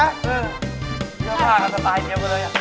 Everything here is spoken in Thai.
เออใช่อย่างกันสไตล์เชียงกันเลย